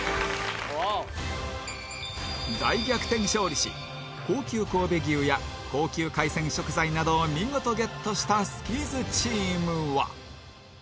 大逆転勝利し高級神戸牛や高級海鮮食材などを見事ゲットしたスキズチームは